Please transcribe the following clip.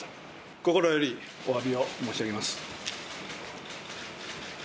心よりおわびを申し上げます。